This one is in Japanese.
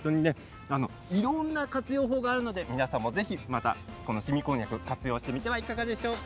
いろんな活用法がありますので皆さん、ぜひしみこんにゃくを活用してみてはいかがでしょうか。